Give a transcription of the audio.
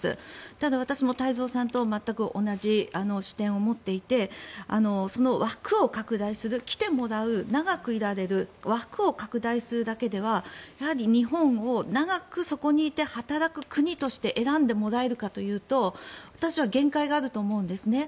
ただ、私も太蔵さんと全く同じ視点を持っていてその枠を拡大する、来てもらう長くいられる枠を拡大するだけではやはり日本を長くそこにいて働く国として選んでもらえるかというと私は限界があると思うんですね。